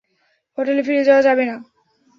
হোটেলে ফিরে যাওয়া যাবে না।